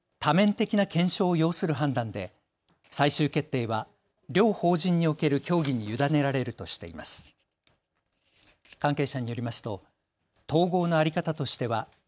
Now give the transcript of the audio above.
一方で多面的な検証を要する判断で最終決定は両法人における協議に委ねられるとしています。